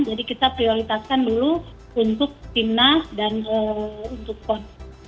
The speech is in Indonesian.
jadi kita prioritaskan dulu untuk timnas dan untuk pon